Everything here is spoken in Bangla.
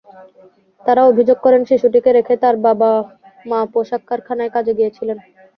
তাঁরা অভিযোগ করেন, শিশুটিকে রেখে তাঁর বাবা-মা পোশাক কারখানায় কাজে গিয়েছিলেন।